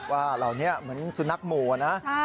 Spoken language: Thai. ว่าเหล่านี้เหมือนสุนัขหมู่นะ